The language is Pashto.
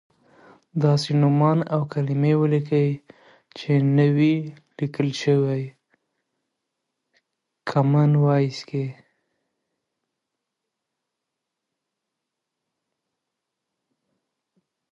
داسې نومان او کلیمې ولیکئ چې نه وې لیکل شوی کامن وایس کې.